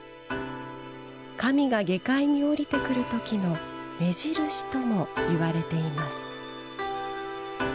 神が下界に降りてくる時の目印ともいわれています。